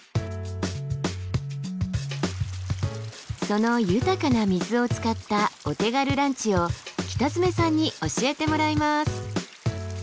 その豊かな水を使ったお手軽ランチを北爪さんに教えてもらいます。